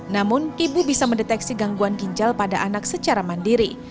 namun ibu bisa mendeteksi gangguan ginjal pada anak secara mandiri